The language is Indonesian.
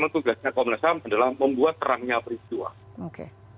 tugasnya komnas ham adalah membuat terangnya peristiwa